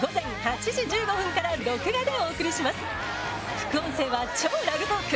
副音声は「＃超ラグトーク」。